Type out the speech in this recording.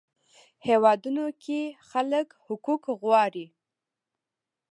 هیوادونو کې خلک حقوق غواړي.